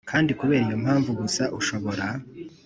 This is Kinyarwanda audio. Kandi kubera iyo mpamvu gusa ushobora